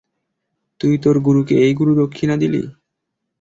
তুই তোর গুরুকে এই গুরুদক্ষিণা দিলি?